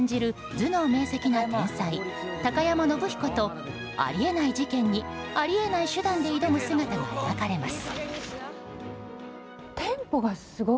頭脳明晰な天才貴山伸彦とあり得ない事件にあり得ない手段で挑む姿が描かれます。